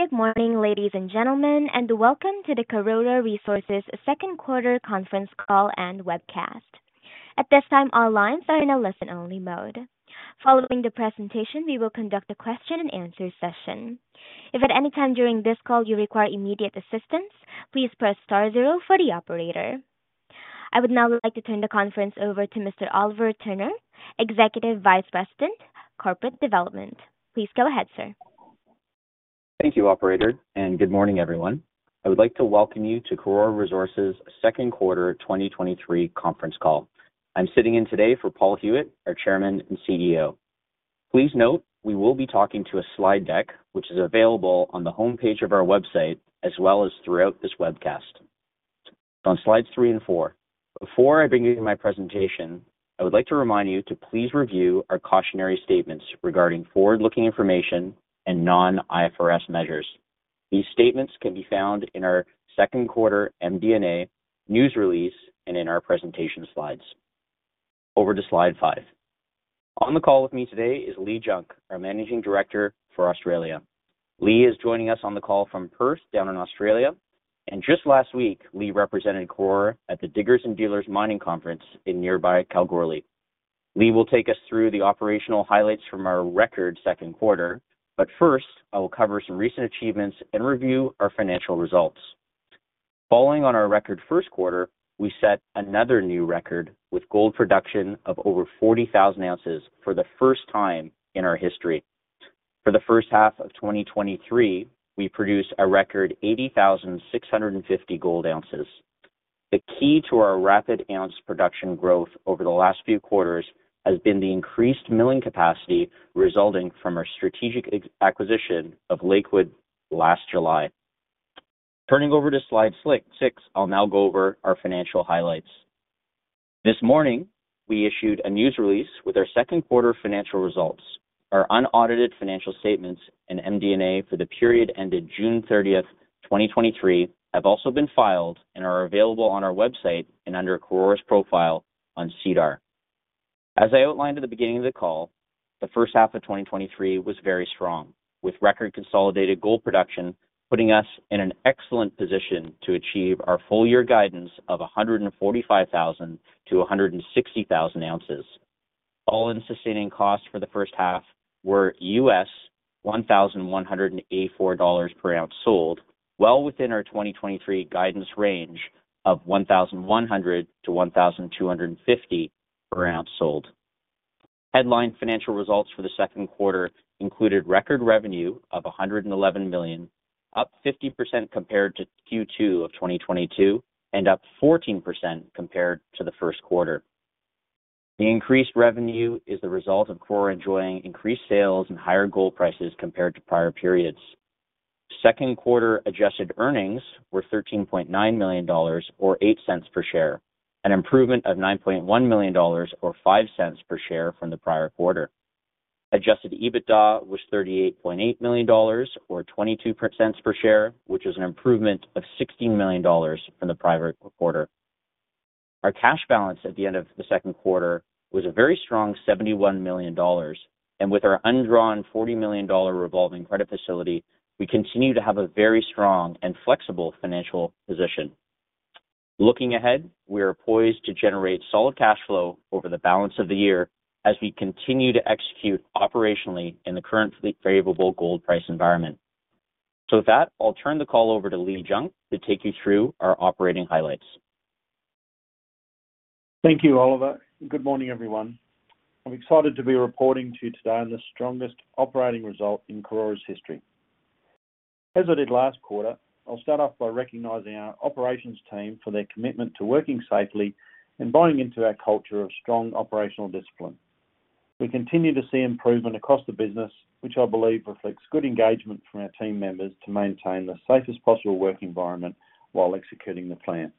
Good morning, ladies and gentlemen, welcome to the Karora Resources' second quarter conference call and webcast. At this time, all lines are in a listen-only mode. Following the presentation, we will conduct a question and answer session. If at any time during this call you require immediate assistance, please press star zero for the operator. I would now like to turn the conference over to Mr. Oliver Turner, Executive Vice President, Corporate Development. Please go ahead, sir. Thank you, operator. Good morning, everyone. I would like to welcome you to Karora Resources' second quarter 2023 conference call. I'm sitting in today for Paul Huet, our Chairman and CEO. Please note, we will be talking to a slide deck, which is available on the homepage of our website, as well as throughout this webcast. On slides 3 and 4. Before I begin my presentation, I would like to remind you to please review our cautionary statements regarding forward-looking information and non-IFRS measures. These statements can be found in our second quarter MD&A news release and in our presentation slides. Over to slide 5. On the call with me today is Leigh Junk, our Managing Director for Australia. Leigh is joining us on the call from Perth, down in Australia. Just last week, Lee represented Karora at the Diggers & Dealers Mining Forum in nearby Kalgoorlie. Lee will take us through the operational highlights from our record second quarter. First, I will cover some recent achievements and review our financial results. Following on our record first quarter, we set another new record with gold production of over 40,000 ounces for the first time in our history. For the first half of 2023, we produced a record 80,650 gold ounces. The key to our rapid ounce production growth over the last few quarters has been the increased milling capacity resulting from our strategic acquisition of Lakewood last July. Turning over to slide 6, I'll now go over our financial highlights. This morning, we issued a news release with our second quarter financial results. Our unaudited financial statements and MD&A for the period ended June 30th, 2023, have also been filed and are available on our website and under Karora's profile on SEDAR. As I outlined at the beginning of the call, the 1st half of 2023 was very strong, with record consolidated gold production, putting us in an excellent position to achieve our full-year guidance of 145,000-160,000 ounces. All-in sustaining costs for the 1st half were $1,184 per ounce sold, well within our 2023 guidance range of $1,100-$1,250 per ounce sold. Headline financial results for the 2nd quarter included record revenue of $111 million, up 50% compared to Q2 of 2022, and up 14% compared to the 1st quarter. The increased revenue is the result of Karora enjoying increased sales and higher gold prices compared to prior periods. Second quarter adjusted earnings were $13.9 million or $0.08 per share, an improvement of $9.1 million, or $0.05 per share from the prior quarter. Adjusted EBITDA was $38.8 million, or $0.22 per share, which is an improvement of $16 million from the prior quarter. Our cash balance at the end of the second quarter was a very strong $71 million, and with our undrawn $40 million revolving credit facility, we continue to have a very strong and flexible financial position. Looking ahead, we are poised to generate solid cash flow over the balance of the year as we continue to execute operationally in the current favorable gold price environment. With that, I'll turn the call over to Leigh Junk to take you through our operating highlights. Thank you, Oliver. Good morning, everyone. I'm excited to be reporting to you today on the strongest operating result in Karora's history. As I did last quarter, I'll start off by recognizing our operations team for their commitment to working safely and buying into our culture of strong operational discipline. We continue to see improvement across the business, which I believe reflects good engagement from our team members to maintain the safest possible work environment while executing the plan.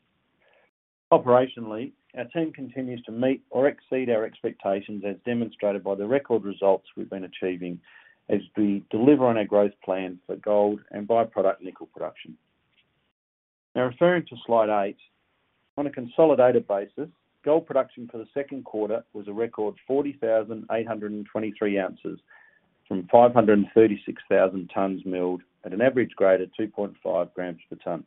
Operationally, our team continues to meet or exceed our expectations, as demonstrated by the record results we've been achieving as we deliver on our growth plan for gold and by-product nickel production. Now, referring to slide 8. On a consolidated basis, gold production for the second quarter was a record 40,823 ounces, from 536,000 tons milled at an average grade of 2.5 grams per tonne.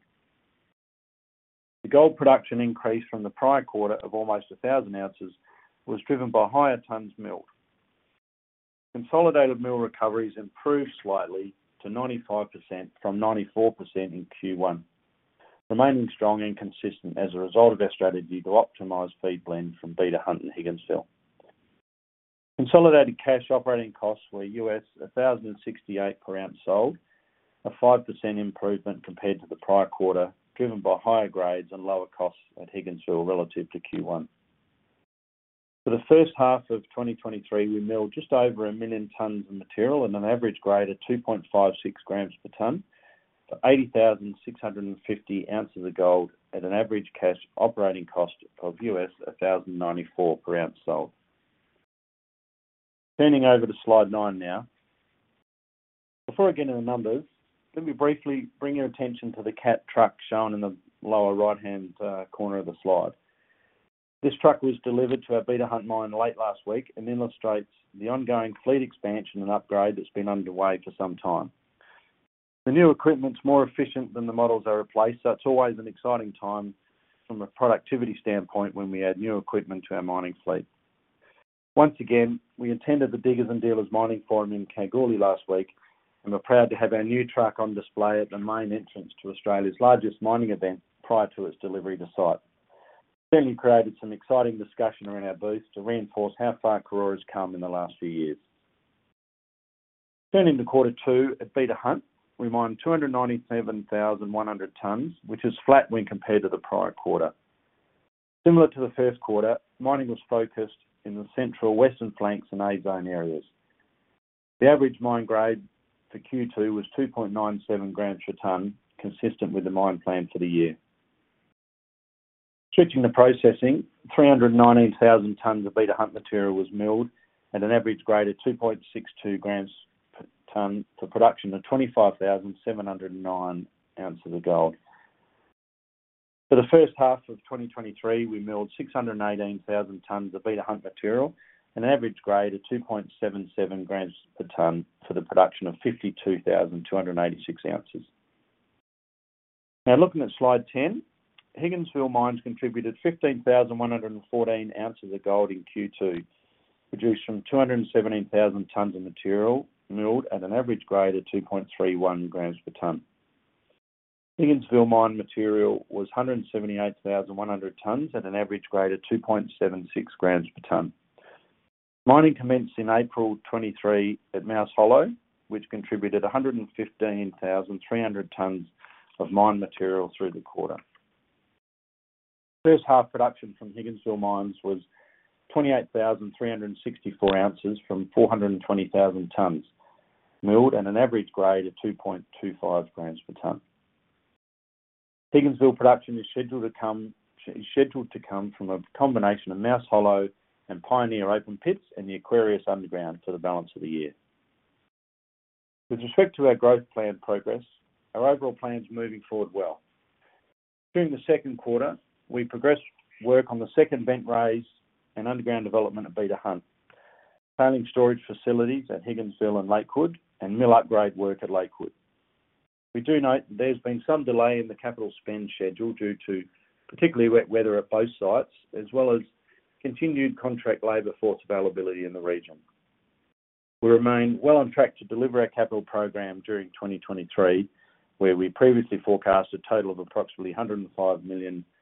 The gold production increase from the prior quarter of almost 1,000 ounces was driven by higher tons milled. Consolidated mill recoveries improved slightly to 95% from 94% in Q1, remaining strong and consistent as a result of our strategy to optimize feed blend from Beta Hunt and Higginsville. Consolidated cash operating costs were U.S. $1,068 per ounce sold, a 5% improvement compared to the prior quarter, driven by higher grades and lower costs at Higginsville relative to Q1. For the first half of 2023, we milled just over 1 million tons of material at an average grade of 2.56 grams per tonne to 80,650 ounces of gold at an average cash operating cost of $1,094 per ounce sold. Turning over to slide 9 now. Before I get into the numbers, let me briefly bring your attention to the cat truck shown in the lower right-hand corner of the slide. This truck was delivered to our Beta Hunt Mine late last week and illustrates the ongoing fleet expansion and upgrade that's been underway for some time. The new equipment's more efficient than the models they replaced, so it's always an exciting time from a productivity standpoint when we add new equipment to our mining fleet. Once again, we attended the Diggers & Dealers Mining Forum in Kalgoorlie last week, and we're proud to have our new truck on display at the main entrance to Australia's largest mining event prior to its delivery to site. Certainly created some exciting discussion around our booth to reinforce how far Karora has come in the last few years. Turning to Quarter Two, at Beta Hunt, we mined 297,100 tons, which is flat when compared to the prior quarter. Similar to the first quarter, mining was focused in the central Western Flanks and A Zone areas. The average mine grade for Q2 was 2.97 g per tonne, consistent with the mine plan for the year. Switching to processing, 390,000 tonnes of Beta Hunt material was milled at an average grade of 2.62 grams per tonne, for production of 25,709 ounces of gold. For the first half of 2023, we milled 618,000 tonnes of Beta Hunt material at an average grade of 2.77 g per tonne for the production of 52,286 ounces. Now looking at slide 10, Higginsville Mines contributed 15,114 ounces of gold in Q2, produced from 217,000 tonnes of material milled at an average grade of 2.31 grams per tonne. Higginsville Mine material was 178,100 tonnes at an average grade of 2.76 grams per tonne. Mining commenced in April 2023 at Mouse Hollow, which contributed 115,300 tonnes of mined material through the quarter. First half production from Higginsville Mines was 28,364 ounces from 420,000 tonnes milled at an average grade of 2.25 grams per tonne. Higginsville production is scheduled to come from a combination of Mouse Hollow and Pioneer open pits and the Aquarius underground for the balance of the year. With respect to our growth plan progress, our overall plan is moving forward well. During the second quarter, we progressed work on the second bank raise and underground development of Beta Hunt, planning storage facilities at Higginsville and Lakewood, and mill upgrade work at Lakewood. We do note that there's been some delay in the capital spend schedule due to particularly wet weather at both sites, as well as continued contract labor force availability in the region. We remain well on track to deliver our capital program during 2023, where we previously forecast a total of approximately 105 million Aussie dollars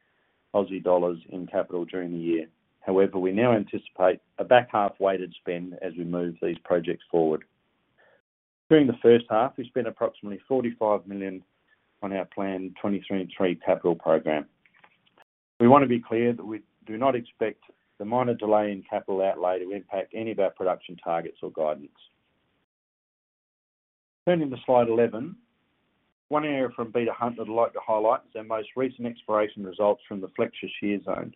in capital during the year. However, we now anticipate a back-half weighted spend as we move these projects forward. During the first half, we spent approximately 45 million on our planned 2023 and three capital program. We want to be clear that we do not expect the minor delay in capital outlay to impact any of our production targets or guidance. Turning to slide 11. One area from Beta Hunt that I'd like to highlight is our most recent exploration results from the Fletcher Shear Zone.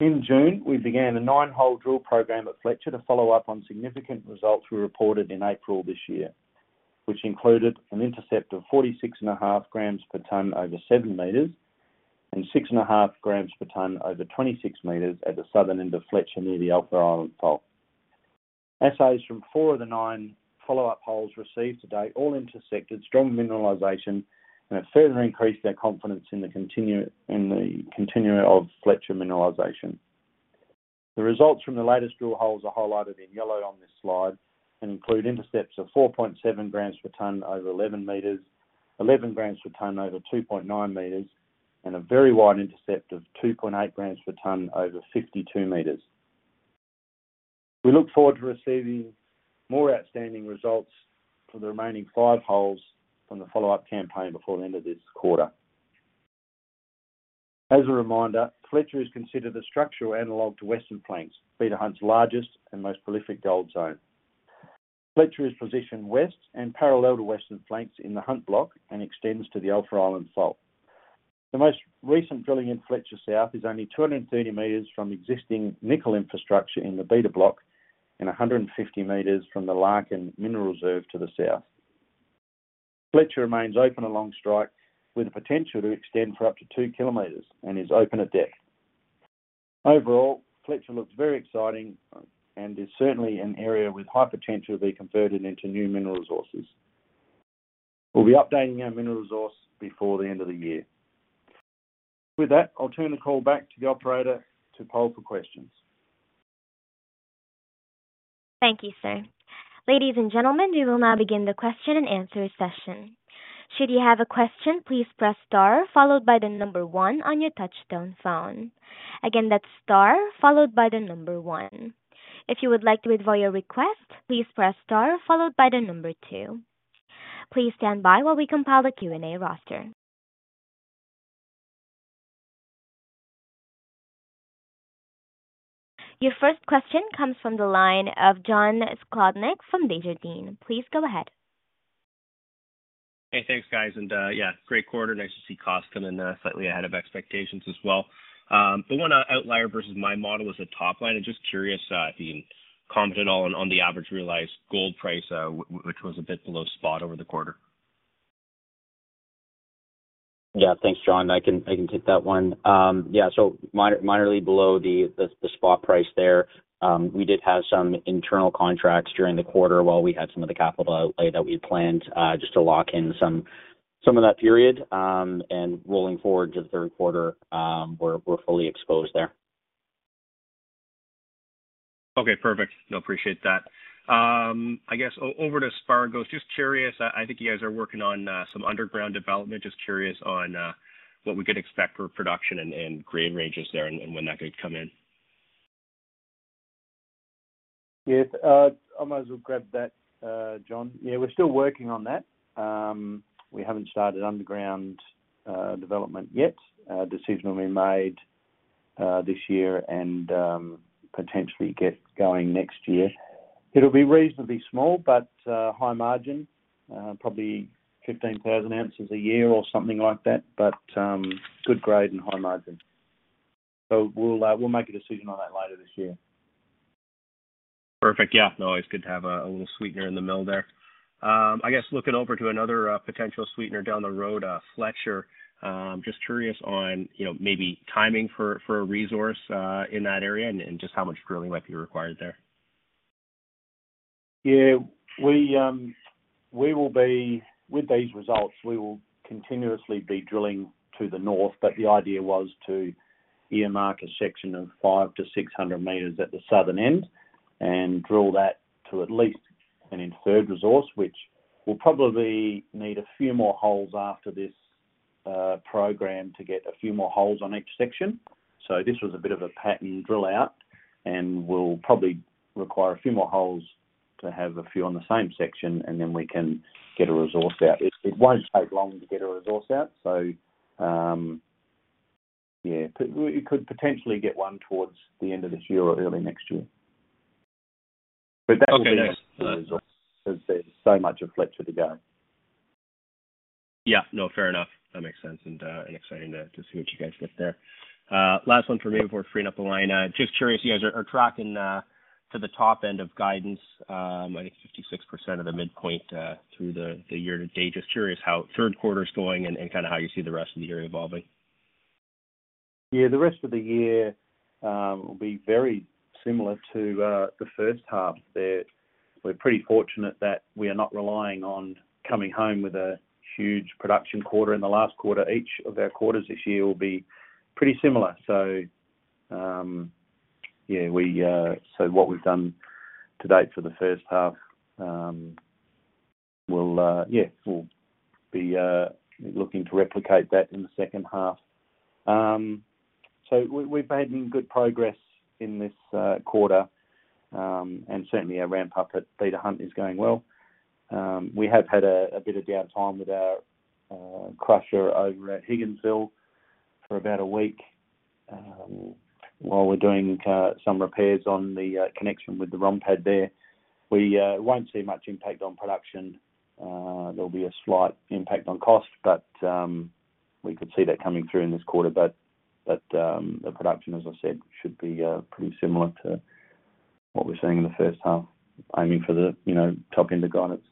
In June, we began a 9-hole drill program at Fletcher to follow up on significant results we reported in April this year, which included an intercept of 46.5 g per tonne over 7 m and 6.5 g per tonne over 26 m at the southern end of Fletcher, near the Alpha Island Fault. Assays from 4 of the 9 follow-up holes received to date all intersected strong mineralization and have further increased our confidence in the continua of Fletcher mineralization. The results from the latest drill holes are highlighted in yellow on this slide and include intercepts of 4.7 g per tonne over 11 m, 11 g per tonne over 2.9 m, and a very wide intercept of 2.8 g per tonne over 52 m. We look forward to receiving more outstanding results for the remaining five holes from the follow-up campaign before the end of this quarter. As a reminder, Fletcher is considered a structural analog to Western Flanks, Beta Hunt's largest and most prolific gold zone. Fletcher is positioned west and parallel to Western Flanks in the Hunt Block and extends to the Alpha Island Fault. The most recent drilling in Fletcher South is only 230 m from existing nickel infrastructure in the Beta Block and 150 m from the Larkin mineral reserve to the south. Fletcher remains open along strike, with the potential to extend for up to 2 km and is open at depth. Overall, Fletcher looks very exciting and is certainly an area with high potential to be converted into new mineral resources. We'll be updating our mineral resource before the end of the year. With that, I'll turn the call back to the operator to poll for questions. Thank you, sir. Ladies and gentlemen, we will now begin the question and answer session. Should you have a question, please press star followed by the number one on your touchtone phone. Again, that's star followed by the number one. If you would like to withdraw your request, please press star followed by the number two. Please stand by while we compile the Q&A roster. Your first question comes from the line of John Kladnick from BMO. Please go ahead. Hey, thanks, guys. Yeah, great quarter. Nice to see costs coming in slightly ahead of expectations as well. The one outlier versus my model is the top line. I'm just curious if you can comment at all on the average realized gold price, which was a bit below spot over the quarter? Yeah, thanks, John. I can, I can take that one. Yeah, so minor, minorly below the, the, the spot price there. We did have some internal contracts during the quarter while we had some of the capital outlay that we had planned, just to lock in some, some of that period. Rolling forward to the third quarter, we're, we're fully exposed there. Okay, perfect. No, appreciate that. I guess over to Fargo. Just curious, I think you guys are working on some underground development. Just curious on what we could expect for production and grade ranges there and when that could come in? Yes, I might as well grab that, John. Yeah, we're still working on that. We haven't started underground development yet. A decision will be made this year and potentially get going next year. It'll be reasonably small, but high margin, probably 15,000 ounces a year or something like that, but good grade and high margin. We'll make a decision on that later this year. Perfect. Yeah. No, it's good to have a, a little sweetener in the mill there. I guess looking over to another, potential sweetener down the road, Fletcher, just curious on, you know, maybe timing for, for a resource, in that area and, just how much drilling might be required there? Yeah. We, With these results, we will continuously be drilling to the north. The idea was to earmark a section of 500 m-600 m at the southern end and drill that to at least an inferred resource, which will probably need a few more holes after this program to get a few more holes on each section. This was a bit of a pattern drill out, and we'll probably require a few more holes to have a few on the same section, and then we can get a resource out. It, it won't take long to get a resource out, so, yeah, it, we, it could potentially get one towards the end of this year or early next year. That. Okay, yes. there's so much of Fletcher to go. Yeah. No, fair enough. That makes sense, and exciting to see what you guys get there. Last one for me before freeing up the line. Just curious, you guys are tracking to the top end of guidance, I think 56% of the midpoint through the year to date. Just curious how third quarter is going and kind of how you see the rest of the year evolving. Yeah, the rest of the year will be very similar to the first half. That we're pretty fortunate that we are not relying on coming home with a huge production quarter in the last quarter. Each of our quarters this year will be pretty similar. Yeah, we, what we've done to date for the first half, we'll, yeah, we'll be looking to replicate that in the second half. We, we've made good progress in this quarter, and certainly our ramp up at Beta Hunt is going well. We have had a bit of downtime with our crusher over at Higginsville for about a week, while we're doing some repairs on the connection with the ROM pad there. We won't see much impact on production. There'll be a slight impact on cost, but we could see that coming through in this quarter. But, but, the production, as I said, should be pretty similar to what we're seeing in the first half, aiming for the, you know, top end of guidance.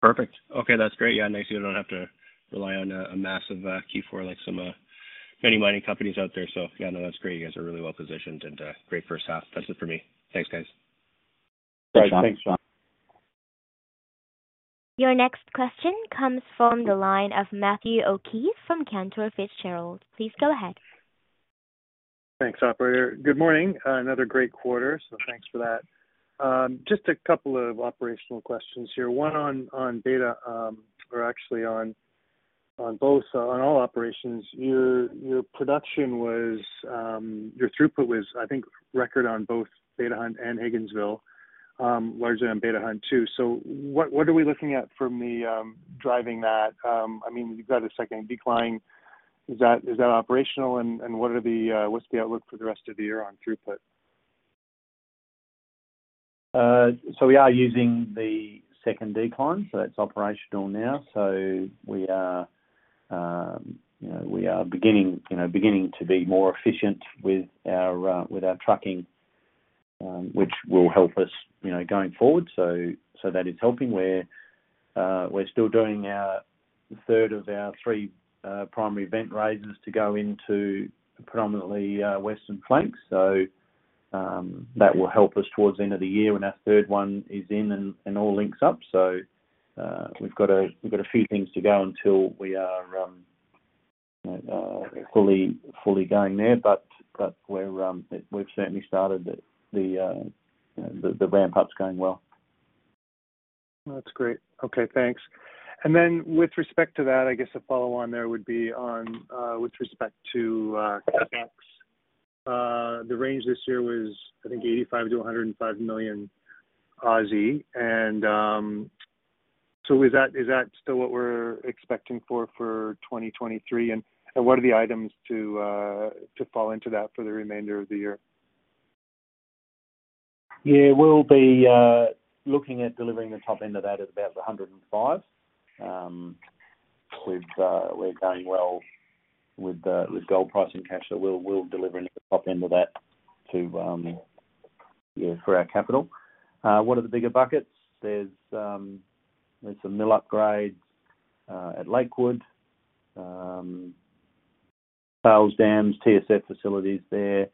Perfect. Okay, that's great. Yeah, nice you don't have to rely on a massive Q4 like some many mining companies out there. Yeah, no, that's great. You guys are really well positioned and great first half. That's it for me. Thanks, guys. Great. Thanks, John. Your next question comes from the line of Matthew O'Keefe from Cantor Fitzgerald. Please go ahead. Thanks, operator. Good morning. Another great quarter, so thanks for that. Just a couple of operational questions here. One on, on beta, or actually on, on both, on all operations. Your, your production was, your throughput was, I think, record on both Beta Hunt and Higginsville, largely on Beta Hunt, too. What, what are we looking at from the, driving that? I mean, you've got a second decline. Is that, is that operational, and, and what are the, what's the outlook for the rest of the year on throughput? We are using the second decline, so it's operational now. We are, you know, we are beginning, you know, beginning to be more efficient with our trucking, which will help us, you know, going forward. That is helping where we're still doing our third of our three primary event raises to go into predominantly Western Flanks. That will help us towards the end of the year when our third one is in and all links up. We've got a, we've got a few things to go until we are fully, fully going there, but we're, we've certainly started the, the, the ramp-up is going well. That's great. Okay, thanks. Then with respect to that, I guess a follow-on there would be on, with respect to, CapEx. The range this year was, I think, 85 million-105 million. So is that, is that still what we're expecting for, for 2023? What are the items to, to fall into that for the remainder of the year? Yeah, we'll be looking at delivering the top end of that at about 105. We've, we're going well with the, with gold price and cash, so we'll, we'll deliver at the top end of that to... For our capital. One of the bigger buckets, there's some mill upgrades at Lakewood. Silt dams, TSF facilities there,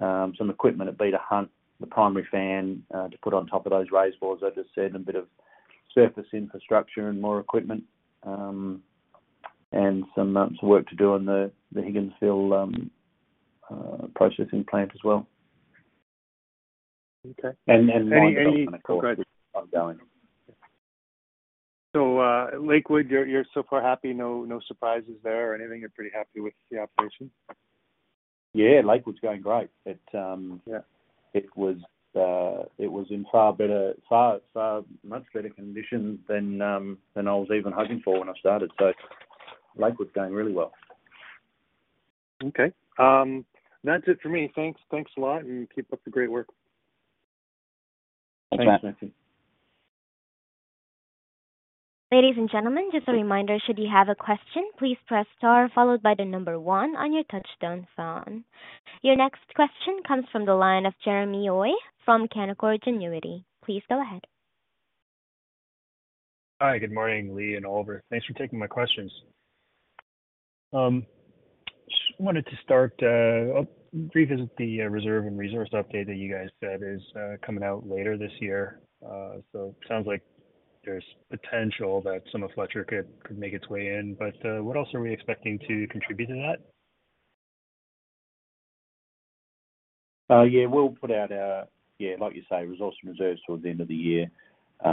some equipment at Beta Hunt, the primary fan to put on top of those raise bores, I just said, a bit of surface infrastructure and more equipment, and some months of work to do on the Higginsville processing plant as well. Okay. Development, of course, ongoing. at Lakewood, you're, you're so far happy, no, no surprises there or anything? You're pretty happy with the operation? Yeah, Lakewood's going great. Yeah. It was, it was in far better, far, far, much better condition than, than I was even hoping for when I started. Lakewood's going really well. Okay. That's it for me. Thanks, thanks a lot, and keep up the great work. Thanks, Matthew. Ladies and gentlemen, just a reminder, should you have a question, please press star followed by one on your touchtone phone. Your next question comes from the line of Jeremy Hoy from Canaccord Genuity. Please go ahead. Hi, good morning, Lee and Oliver. Thanks for taking my questions. Just wanted to start, revisit the reserve and resource update that you guys said is coming out later this year. It sounds like there's potential that some of Fletcher could, could make its way in. What else are we expecting to contribute to that? Yeah, we'll put out our... Yeah, like you say, reserves towards the end of the year. I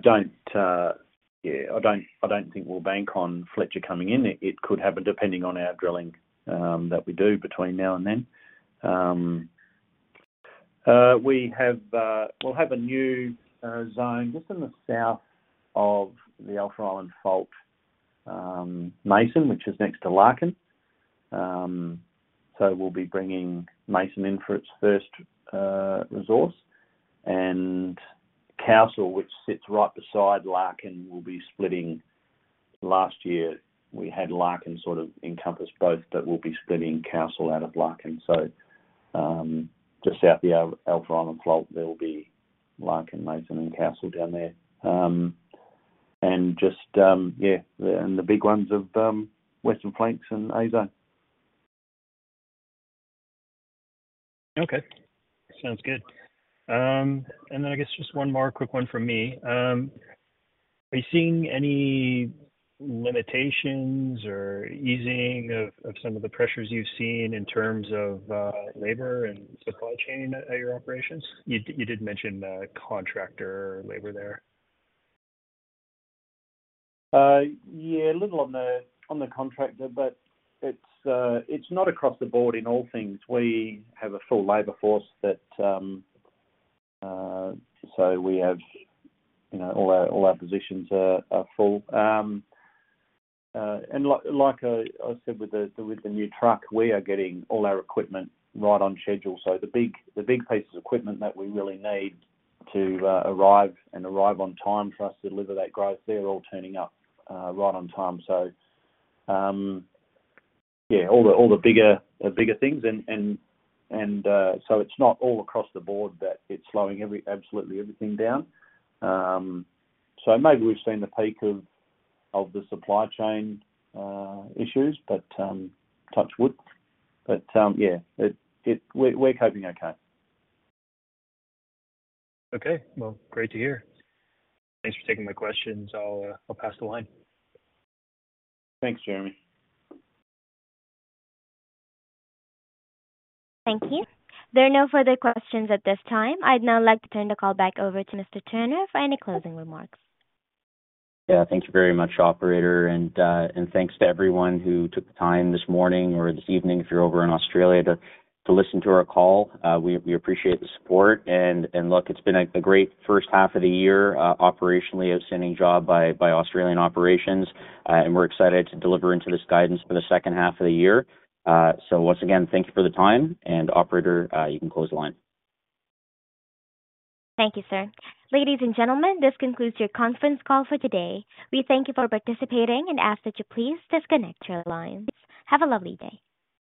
don't, yeah, I don't, I don't think we'll bank on Fletcher coming in. It could happen depending on our drilling that we do between now and then. We have, we'll have a new zone just in the south of the Alpha Island Fault, Mason, which is next to Larkin. We'll be bringing Mason in for its first resource. Castle, which sits right beside Larkin, will be splitting. Last year, we had Larkin sort of encompass both, but we'll be splitting Castle out of Larkin. Just south the Alpha Island Fault, there'll be Larkin, Mason, and Castle down there. Just, yeah, and the big ones of Western Flanks and A Zone. Okay, sounds good. Then I guess just one more quick one from me. Are you seeing any limitations or easing of, of some of the pressures you've seen in terms of, labor and supply chain at your operations? You, you did mention, contractor labor there. Yeah, a little on the, on the contractor, but it's not across the board in all things. We have a full labor force that, you know, all our, all our positions are, are full. Like, like I, I said, with the, with the new truck, we are getting all our equipment right on schedule. The big, the big pieces of equipment that we really need to arrive and arrive on time for us to deliver that growth, they're all turning up right on time. Yeah, all the, all the bigger, bigger things. It's not all across the board that it's slowing every, absolutely everything down. Maybe we've seen the peak of, of the supply chain issues, but touch wood. Yeah, it, we're, we're coping okay. Okay, well, great to hear. Thanks for taking my questions. I'll, I'll pass the line. Thanks, Jeremy. Thank you. There are no further questions at this time. I'd now like to turn the call back over to Mr. Turner for any closing remarks. Yeah, thank you very much, operator. Thanks to everyone who took the time this morning or this evening, if you're over in Australia, to listen to our call. We appreciate the support and look, it's been a great first half of the year, operationally, outstanding job by Australian operations. We're excited to deliver into this guidance for the second half of the year. Once again, thank you for the time. Operator, you can close the line. Thank you, sir. Ladies and gentlemen, this concludes your conference call for today. We thank you for participating and ask that you please disconnect your lines. Have a lovely day.